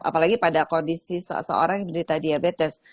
apalagi pada kondisi seseorang yang menderita diabetes